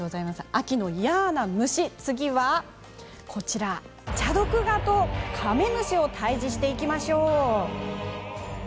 秋の嫌な虫、次はこちらチャドクガとカメムシを退治していきましょう。